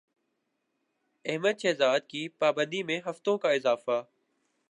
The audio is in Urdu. احمد شہزاد کی پابندی میں ہفتوں کا اضافہ